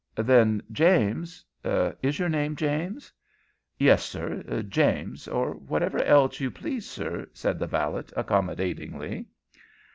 "Then, James Is your name James?" "Yes, sir James, or whatever else you please, sir," said the valet, accommodatingly.